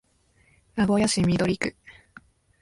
名古屋市緑区